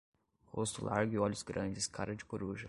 Rosto largo e olhos grandes, cara de coruja.